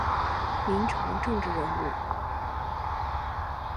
明朝政治人物。